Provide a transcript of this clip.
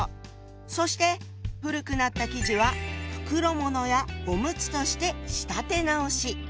そして古くなった生地は袋ものやおむつとして仕立て直し。